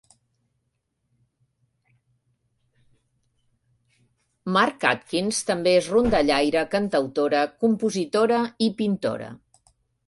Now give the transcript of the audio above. Mark Atkins també és rondallaire, cantautora, compositora i pintora.